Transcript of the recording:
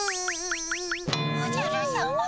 おじゃるさま。